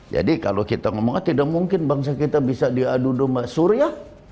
jadi kalau kita ngomongin tidak mungkin bangsa kita bisa diadu doang suri ya